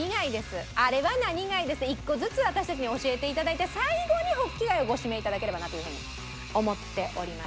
「あれは何貝です」って１個ずつ私たちに教えて頂いて最後にホッキ貝をご指名頂ければなというふうに思っております。